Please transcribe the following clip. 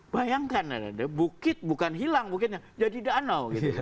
bayangkan ya bukit bukan hilang bukitnya jadi danau gitu